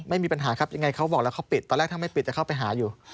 ไม่มีปัญหาครับยังไงเขาบอกแล้วเขาปิดตอนแรกถ้าไม่ปิดจะเข้าไปหาอยู่